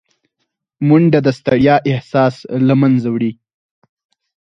منډه د ستړیا احساس له منځه وړي